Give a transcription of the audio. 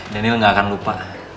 daniel gak akan lupa